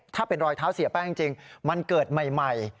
ถ้าเป็นรอยเท้าเสียแป้งจริงมันเกิดใหม่